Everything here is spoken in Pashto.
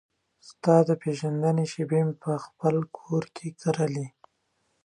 ستا د پیژندنې شیبې مې پخپل کور کې کرلې